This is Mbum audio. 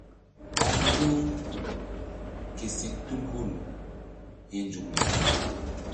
Ɓa ŋgi̧ u ké si tul hul hi̧ nzukri pi.